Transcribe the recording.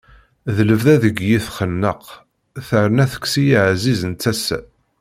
D lebda deg-i txenneq, terna tekkes-iyi aɛziz n tasa.